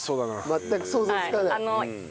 全く想像つかない。